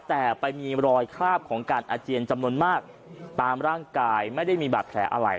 แต่ไปมีรอยคราบของการอาเจียนจำนวนมากตามร่างกายไม่ได้มีบาดแผลอะไร